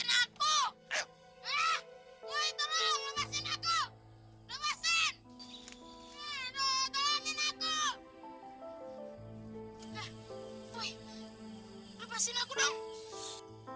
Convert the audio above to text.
lepaskan aku dong